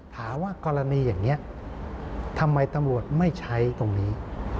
ถามว่ากรณีอย่างนี้ทำไมตำรวจไม่ใช้ตรงนี้